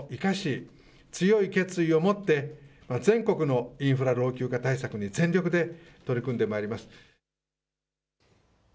事故の教訓を生かし強い決意を持って全国のインフラ老朽化対策に全力で取り組んでまいります。